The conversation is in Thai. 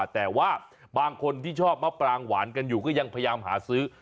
แต่ว่าบางคนที่ชอบมะปรางหวานกันอยู่ก็ยังพยายามหาซื้อ